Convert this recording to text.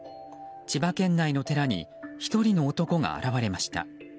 千葉県内の寺に１人の男が現れました。